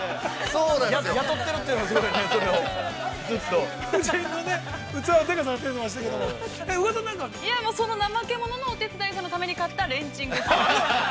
◆その怠け者のお手伝いさんのために買ったレンチングッズ。